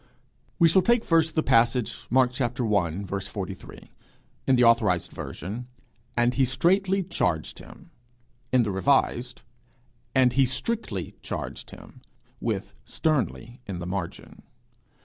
We shall take first the passage, Mark i. 43 in the authorized version, 'And he straitly charged him;' in the revised, 'And he strictly charged him,' with 'sternly' in the margin.